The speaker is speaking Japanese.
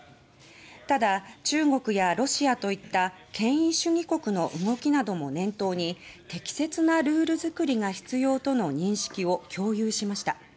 ただ、中国やロシアといった権威主義国の動きなども念頭に適切なルール作りが必要との認識を共有しました。